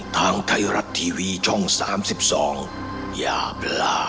คุณครับ